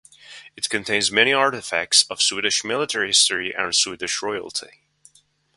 It contains many artifacts of Swedish military history and Swedish royalty.